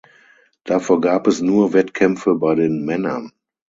Davor gab es nur Wettkämpfe bei den Männern.